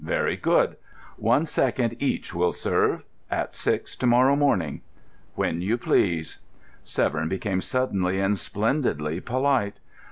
Very good. One second each will serve. At six to morrow morning." "When you please." Severn became suddenly and splendidly polite.